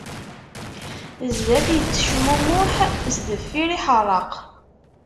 Zdat ittecmummuḥ, sdeffir iḥeṛṛeq.